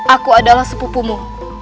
aku adalah sepupumu